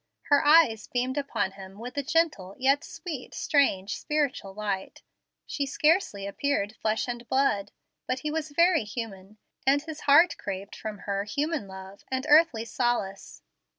Her eyes beamed upon him with a gentle, yet sweet, strange, spiritual light. She scarcely appeared flesh and blood. But he was very human, and his heart craved from her human love and earthly solace.